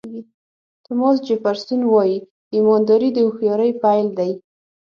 توماس جیفرسون وایي ایمانداري د هوښیارۍ پیل دی.